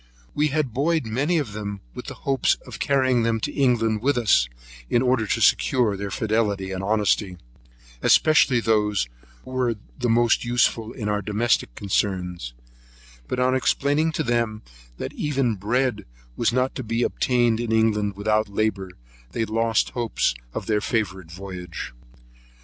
We had buoyed many of them up with the hopes of carrying them to England with us, in order to secure their fidelity and honesty, especially those who were most useful in our domestic concerns; but on explaining to them that even bread was not to be obtained in England without labour, they lost hopes of their favourite voyage.